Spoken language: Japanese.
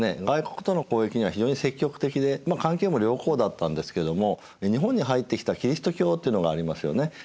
外国との交易には非常に積極的で関係も良好だったんですけども日本に入ってきたキリスト教というのがありますよね。